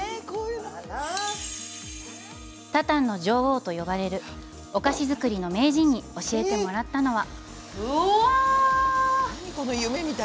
タタンの女王と呼ばれるお菓子作りの名人に教えてもらったのは。